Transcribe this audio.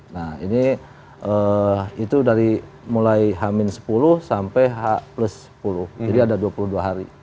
nah ini itu dari mulai h sepuluh sampai h sepuluh jadi ada dua puluh dua hari